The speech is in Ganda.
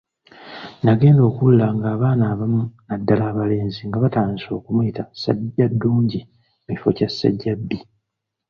Nagenda okuwulira ng’abaana abamu naddala balenzi batandise okumuyita Ssajjaddungi mu kifo kya Ssajjabbi.